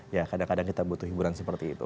ya kadang kadang kita butuh hiburan seperti itu